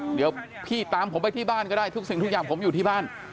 เดี๋ยวพี่ตามผมไปที่บ้านก็ได้ทุกสิ่งทุกอย่างผมอยู่ที่บ้าน